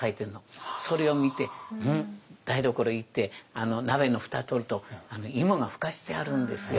それを見て台所行って鍋の蓋取ると芋がふかしてあるんですよ。